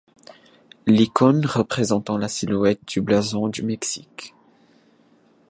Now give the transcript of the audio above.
L'icône représentant la silhouette du Blason du Mexique.